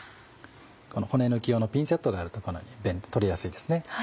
骨抜き用のピンセットがあるとこのように取りやすいですね。